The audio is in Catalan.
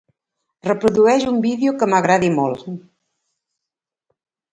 Reprodueix un vídeo que m'agradi molt.